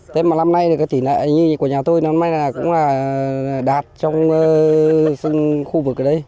thế mà năm nay thì chỉ là như của nhà tôi nó cũng là đạt trong khu vực ở đây